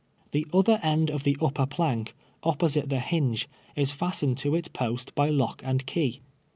The other end of the upper plank, opposite the hinge, is fastened to its post by lock and key.